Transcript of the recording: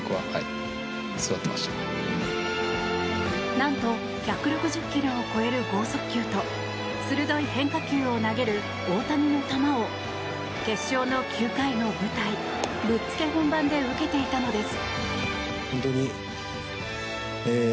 何と１６０キロを超える豪速球と鋭い変化球を投げる大谷の球を決勝の９回の舞台ぶっつけ本番で受けていたのです。